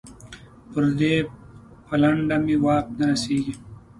پر دې پلنډه مې واک نه رسېږي.